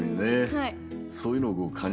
はい。